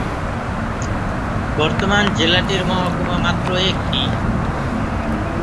বর্তমান জেলাটির মহকুমা মাত্র একটি।